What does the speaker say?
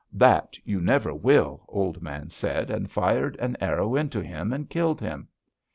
"'That you never will,' Old Man said, and fired an arrow into him, and killed him.